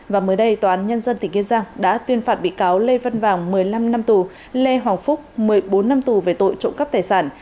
và mới đây tòa án nhân dân tỉnh kiên giang đã tuyên phạt bị cáo lê văn vàng một mươi năm năm tù lê hoàng phúc một mươi bốn năm tù về tội trộm cắp tài sản